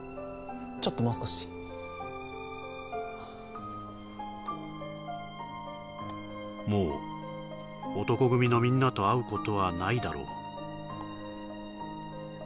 ちょっともう少しもう男闘呼組のみんなと会うことはないだろう